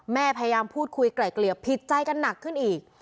พยายามพูดคุยไกล่เกลี่ยผิดใจกันหนักขึ้นอีก